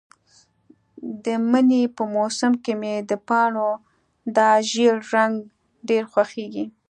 د مني په موسم کې مې د پاڼو دا ژېړ رنګ ډېر خوښیږي.